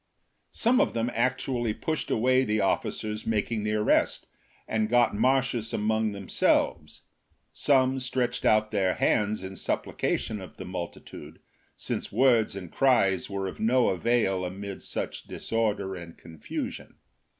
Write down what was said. Some of them actually pushed away the officers making the arrest, and got Marcius among them selves; some stretched out their hands in supplica tion of the multitude, since words and cries were of no avail amid such disorder and confusion.